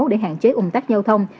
để hạn chế ủng tắc giao thông